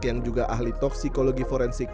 yang juga ahli toksikologi forensik